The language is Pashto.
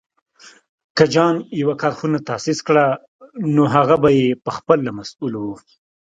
که جان يو کارخونه تاسيس کړه، نو هغه به یې پهخپله مسوول و.